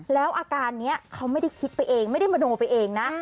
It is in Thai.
แล้วอาการนี้เขาไม่ได้คิดไปเองไม่ได้มโนไปเองนะ